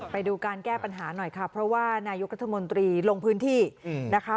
ไปดูการแก้ปัญหาหน่อยค่ะเพราะว่านายกรัฐมนตรีลงพื้นที่นะคะ